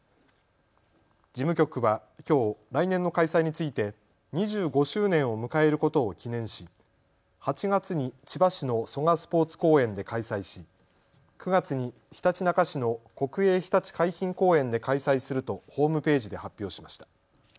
事務局は、きょう来年の開催について２５周年を迎えることを記念し８月に千葉市の蘇我スポーツ公園で開催し９月に、ひたちなか市の国営ひたち海浜公園で開催するとホームページで発表しました。